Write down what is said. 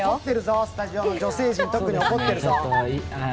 スタジオの女性陣、特に怒ってるぞ。